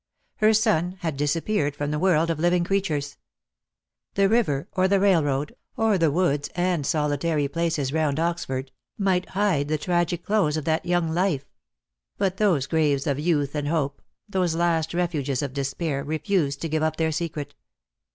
Her son had disappeared from the world of living creatures. The river, or the railroad, or the woods and solitary places round Oxford, might hide the tragic close of that young life; but those graves of youth and hope, those last refuges of despair, refused to give up their secret.